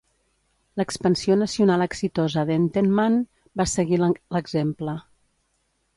L'expansió nacional exitosa d'Entenmann va seguir l'exemple.